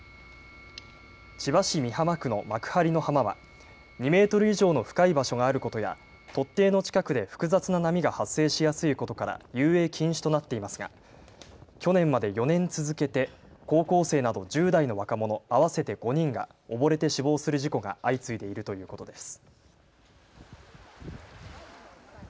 千葉市美浜区の幕張の浜は２メートル以上の深い場所があることや突堤の近くで複雑な波が発生しやすいことから遊泳禁止となっていますが去年まで４年続けて高校生など１０代の若者合わせて５人が溺れて死亡する事故が相次いでいるということです。